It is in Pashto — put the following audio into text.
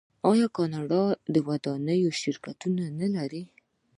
آیا کاناډا د ودانیو شرکتونه نلري؟